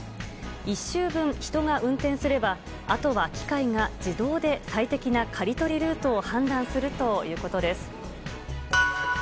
１周分、人が運転すればあとは機械が自動で最適な刈り取りルートを判断するということです。